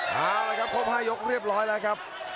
ครับครับครบห้ายกเรียบร้อยแล้วครับ